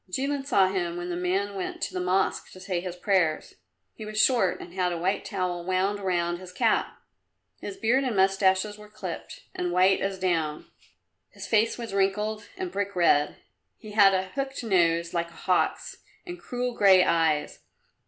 Jilin saw him when the man went to the Mosque to say his prayers. He was short and had a white towel wound round his cap. His beard and moustaches were clipped and white as down; his face was wrinkled and brick red. He had a hooked nose like a hawk's, and cruel grey eyes.